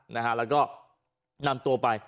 นะฮะแล้วก็นำตัวไป